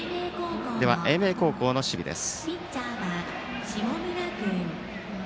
では、英明高校の守備です。